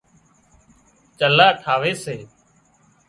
چلها ٺاوي سي